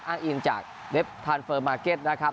อินจากเล็บทานเฟอร์มาร์เก็ตนะครับ